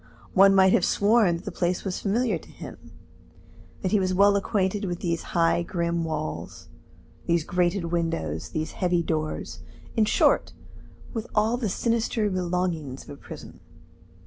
One might have sworn that the place was familiar to him, that he was well acquainted with these high grim walls, these grated windows, these heavy doors in short, with all the sinister belongings of a prison.